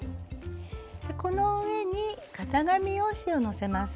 この上に型紙用紙をのせます。